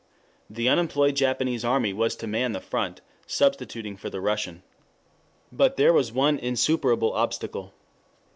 The unemployed Japanese army was to man the front, substituting for the Russian. But there was one insuperable obstacle.